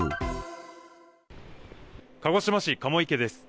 鹿児島市鴨池です。